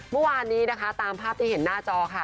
เมื่อวานนี้นะคะตามภาพที่เห็นหน้าจอค่ะ